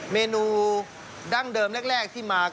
เมนูดั้งเดิมแรกที่มา